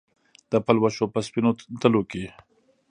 د پلوشو په سپینو تلو کې